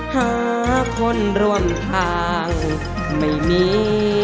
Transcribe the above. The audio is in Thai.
หาคนร่วมทางไม่มี